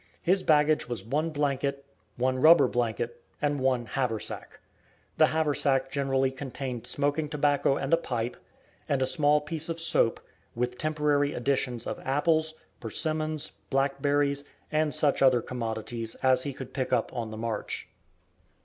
His baggage was one blanket, one rubber blanket, and one haversack. The haversack generally contained smoking tobacco and a pipe, and a small piece of soap, with temporary additions of apples, persimmons, blackberries, and such other commodities as he could pick up on the march.